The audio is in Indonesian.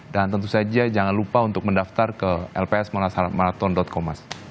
dan tentu saja jangan lupa untuk mendaftar ke lpsmarathon com mas